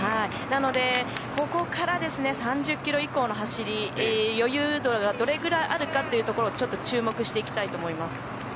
なのでここから３０キロ以降の走り余裕がどれぐらいあるかというところちょっと注目していきたいと思います。